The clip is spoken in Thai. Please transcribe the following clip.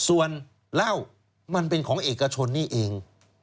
ส่วนเหล้ามันเป็นของเอกชนนี่เอง